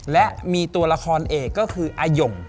และมีตัวละครเอกก็คืออาย่ง